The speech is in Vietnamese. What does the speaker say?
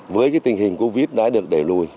với tình hình covid đã được đẩy lùi